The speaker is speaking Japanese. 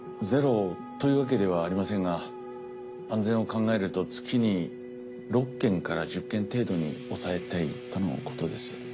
ゼロというわけではありませんが安全を考えると月に６件から１０件程度に抑えたいとのことです。